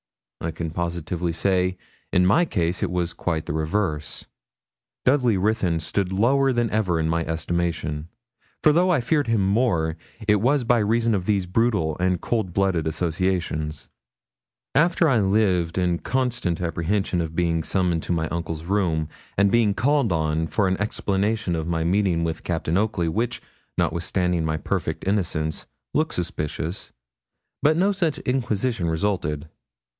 I can positively say in my case it was quite the reverse. Dudley Ruthyn stood lower than ever in my estimation; for though I feared him more, it was by reason of these brutal and cold blooded associations. After this I lived in constant apprehension of being summoned to my uncle's room, and being called on for an explanation of my meeting with Captain Oakley, which, notwithstanding my perfect innocence, looked suspicious, but no such inquisition resulted.